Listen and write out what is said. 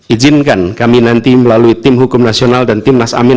izinkan kami nanti melalui tim hukum nasional dan tim nasamin